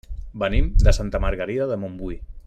Venim de Santa Margarida de Montbui.